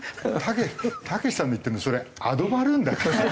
たけしさんの言ってるのそれアドバルーンだから。